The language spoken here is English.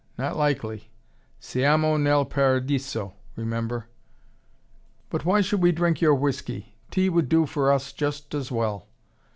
Not likely. Siamo nel paradiso, remember." "But why should we drink your whiskey? Tea would do for us just as well."